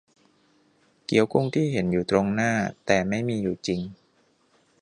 เกี๊ยวกุ้งที่เห็นอยู่ตรงหน้า แต่ไม่มีอยู่จริง